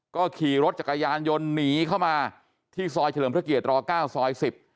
ก็ขี่รถจักรยานยนต์หนีเข้ามาที่ซอยเฉลิมพระเกียร๙ซอย๑๐